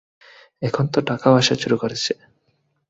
এখন তো টাকাও আসা শুরু করেছে।